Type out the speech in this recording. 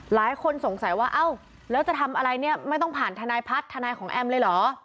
หลายคนสงสัยว่าเอ้าแล้วจะทำอะไรเนี่ยไม่ต้องผ่านทนายพัฒน์ทนายของแอมเลยเหรอ